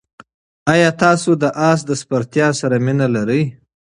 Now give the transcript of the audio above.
ایا تاسې له اس سورلۍ سره مینه لرئ؟